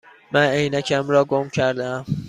من عینکم را گم کرده ام.